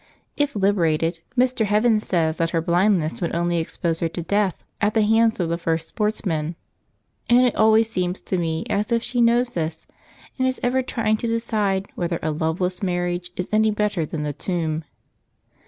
If liberated, Mr. Heaven says that her blindness would only expose her to death at the hands of the first sportsman, and it always seems to me as if she knows this, and is ever trying to decide whether a loveless marriage is any better than the tomb.